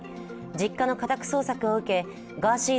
実家の家宅捜索を受け、ガーシー